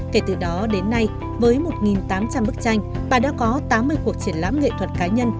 kể từ đó đến nay với một tám trăm linh bức tranh bà đã có tám mươi cuộc triển lãm nghệ thuật cá nhân